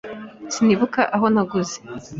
Sinibuka aho naguze.